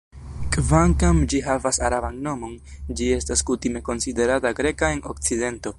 Kvankam ĝi havas araban nomon, ĝi estas kutime konsiderata greka en Okcidento.